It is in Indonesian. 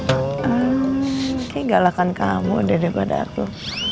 kayaknya galakan kamu udah daripada aku